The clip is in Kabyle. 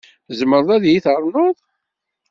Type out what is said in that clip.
Tzemreḍ ad iyi ternuḍ?